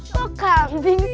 kok kambing tuh